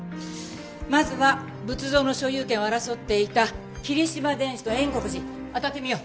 まずは仏像の所有権を争っていた霧島電子と円刻寺あたってみよう。